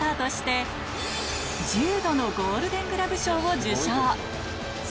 １０度のゴールデングラブ賞を受賞